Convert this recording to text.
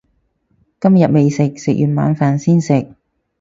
今日未食，食完晚飯先食